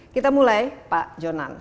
kita mulai pak jonan